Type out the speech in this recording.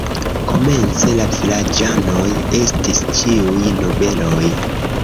Komence la vilaĝanoj estis ĉiuj nobeloj.